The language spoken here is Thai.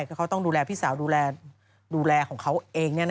คือเขาต้องดูแลพี่สาวดูแลของเขาเอง